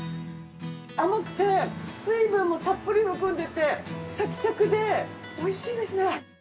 甘くて水分もたっぷり含んでてシャキシャキでおいしいですね。